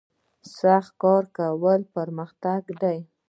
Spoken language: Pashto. سخت کار کول پرمختګ دی